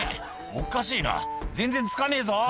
おかしいな全然付かねえぞ」